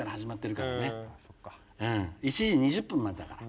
１時２０分までだから。